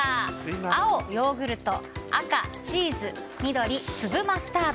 青、ヨーグルト赤、チーズ緑、粒マスタード。